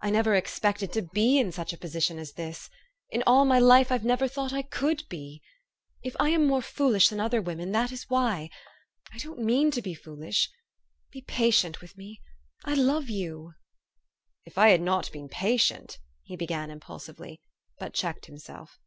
I never ex pected to be in such a position as this : in all my life I've never thought I could be ! If I am more foolish than other women, that is why. I don't mean to be foolish. Be patient with me ! I love you !"" If I had not been patient " he began impul sively, but checked himself.